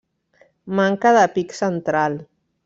Manca de pic central.